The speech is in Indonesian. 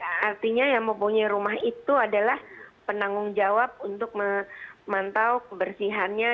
artinya yang mempunyai rumah itu adalah penanggung jawab untuk memantau kebersihannya